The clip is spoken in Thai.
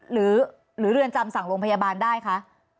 หรือเรือนจำสั่งโรงพยาบาลได้คะ